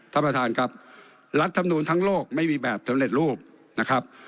ท่านประธานครับรัฐธรรมนูลทั้งโลกไม่มีแบบสำเร็จรูปนะครับ